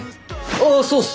あそうっす！